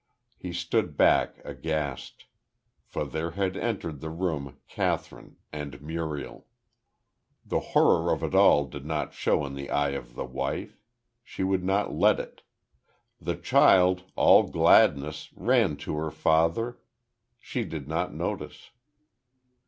He stood back aghast. For there had entered the room Kathryn, and Muriel. The horror of it all did not show in the eyes of the wife. She would not let it. The child, all gladness, ran to her father; she did not notice.